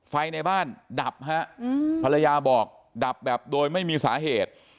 ในบ้านดับฮะภรรยาบอกดับแบบโดยไม่มีสาเหตุ